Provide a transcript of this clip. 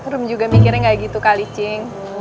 ruh juga mikirnya gak gitu kali cing